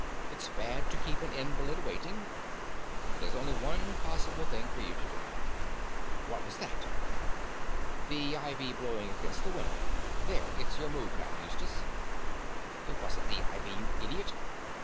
It's bad to keep an invalid waiting. There's only one possible thing for you to do. What was that?" "The ivy blowing against the window. There, it's your move now, Eustace." "It wasn't the ivy, you idiot.